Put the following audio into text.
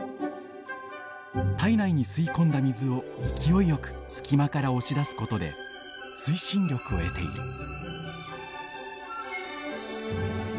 体内に吸い込んだ水を勢いよく隙間から押し出すことで推進力を得ている。